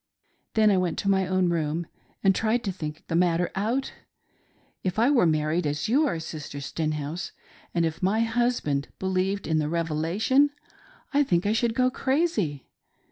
Then I went to my own room, and tried to think the matter out. If I were married, as you are. Sister Stenhouse, and if my husband believed in the Revela tion, I think I should go crazy.